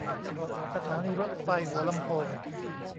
สถานีรถไฟหัวลำโพง